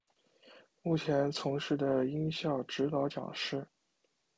目前从事的音效指导讲师。